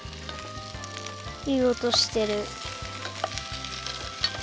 いいおとしてる。